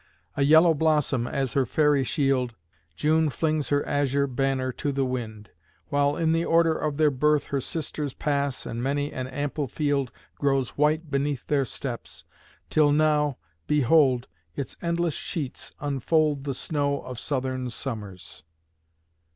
A yellow blossom as her fairy shield, June flings her azure banner to the wind, While in the order of their birth Her sisters pass, and many an ample field Grows white beneath their steps, till now, behold, Its endless sheets unfold The snow of Southern summers!